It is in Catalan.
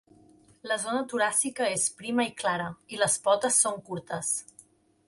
La zona toràcica és prima i clara, i les potes són curtes.